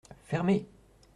Fermez !